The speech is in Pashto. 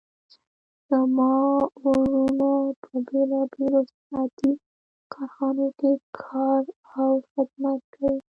زما وروڼه په بیلابیلو صنعتي کارخانو کې کار او خدمت کوي